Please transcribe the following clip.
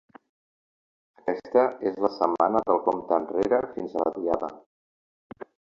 Aquesta és la setmana del compte enrere fins a la Diada.